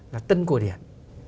là tân cổ điển